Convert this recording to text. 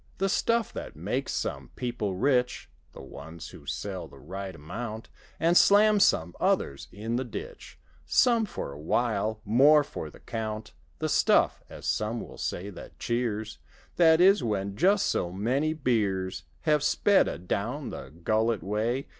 The stuff that makes some people rick (The ones who sell the right amount) And slams some others in the ditch— Some for a while—more for the count. The stuff (as some will say) that cheers: That is, when just so many beers Have sped adown the gullet way.